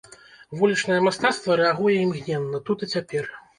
Вулічнае мастацтва рэагуе імгненна, тут і цяпер.